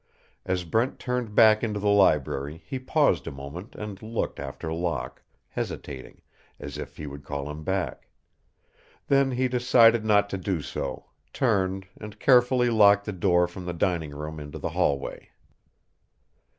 As Brent turned back into the library he paused a moment and looked after Locke, hesitating, as if he would call him back. Then he decided not to do so, turned, and carefully locked the door from the dining room into the hallway.